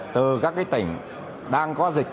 từ các tỉnh đang có lợn vận chuyển heo